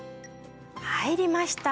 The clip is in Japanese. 入りました。